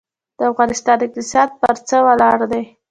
د افغانستان اقتصاد پر څه ولاړ دی؟